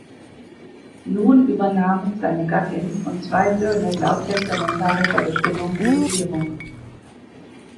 Nun übernahmen seine Gattin und zwei Söhne laut testamentarischer Bestimmung die Regierung.